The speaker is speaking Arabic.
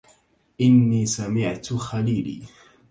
أني سمعت خليلي